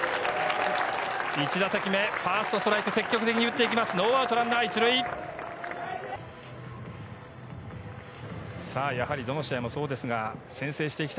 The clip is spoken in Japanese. １打席目、ファーストストライク、積極的に打っていきました。